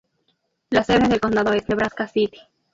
La sede del condado es Nebraska City.